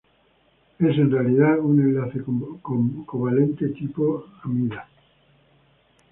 Es, en realidad, un enlace covalente tipo amida.